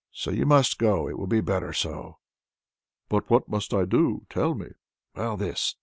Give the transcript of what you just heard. But you must go; it will be better so." "But what must I do? tell me." "Well this.